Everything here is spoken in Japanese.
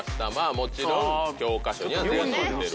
もちろん教科書には全員載ってる。